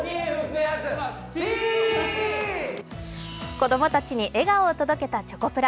子供たちに笑顔を届けたチョコプラ。